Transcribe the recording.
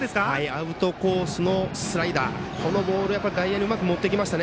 アウトコースのスライダーこのボール外野にうまく持っていきました。